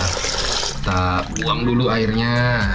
kita buang dulu airnya